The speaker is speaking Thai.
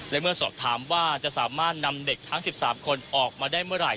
และเมื่อสอบถามว่าจะสามารถนำเด็กทั้ง๑๓คนออกมาได้เมื่อไหร่